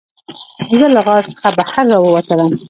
زه له غار څخه بهر راووتلم.